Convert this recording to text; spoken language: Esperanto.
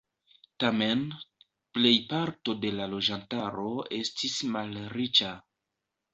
Tamen, plejparto de la loĝantaro estis malriĉa.